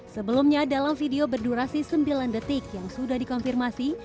sebelumnya dalam video berdurasi sembilan detik yang sudah dikonfirmasi